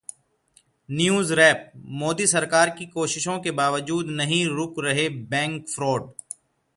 NewsWrap: Modi सरकार की कोशिशों के बावजूद नहीं रुक रहे बैंक फ्रॉड